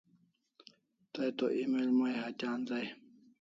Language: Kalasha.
Tay to email may hatya anzai